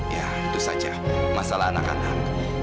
ya itu saja masalah anak anak